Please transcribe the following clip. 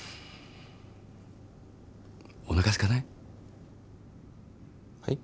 おなかすかない？